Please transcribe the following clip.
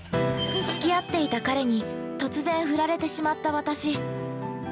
◆つき合っていた彼に突然フラれてしまった私。